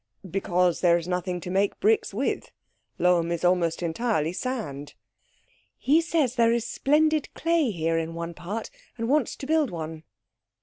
"Because there is nothing to make bricks with. Lohm is almost entirely sand." "He says there is splendid clay here in one part, and wants to build one."